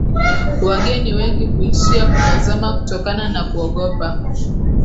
Wageni wengi huishia kutazama kutokana na kuogopa